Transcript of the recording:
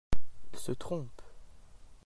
Il se trompe.